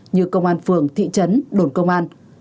như công an phường thị trấn đồn công an